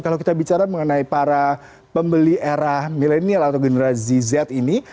kalau kita bicara mengenai para pembeli era millennial atau genera zz ini